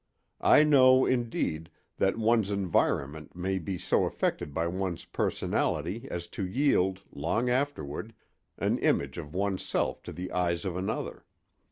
I know, indeed, that one's environment may be so affected by one's personality as to yield, long afterward, an image of one's self to the eyes of another.